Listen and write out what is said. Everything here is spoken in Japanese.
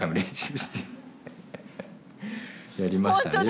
やりましたね。